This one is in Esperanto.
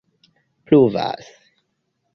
pluvas